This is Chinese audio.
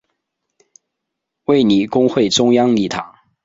卫理公会中央礼堂。